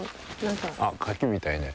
あっ柿みたいね。